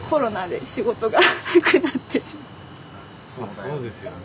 そうですよね。